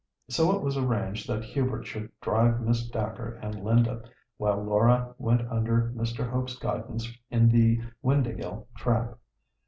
So it was arranged that Hubert should drive Miss Dacre and Linda, while Laura went under Mr. Hope's guidance in the Windāhgil trap.